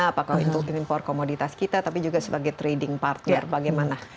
apakah itu impor komoditas kita tapi juga sebagai trading partner bagaimana